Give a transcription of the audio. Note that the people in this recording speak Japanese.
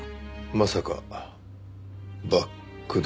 まさかバックドア？